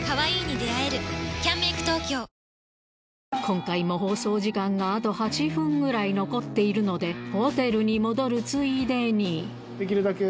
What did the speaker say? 今回も放送時間があと８分ぐらい残っているのでホテルに戻るついでにできるだけ。